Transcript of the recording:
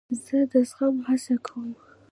زه د زغم هڅه کوم.